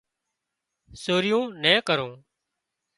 سوريون نين ڪرُون